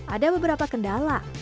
ada beberapa kendala